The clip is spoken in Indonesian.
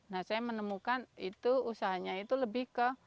nah saya menemukan itu usahanya itu lebih ke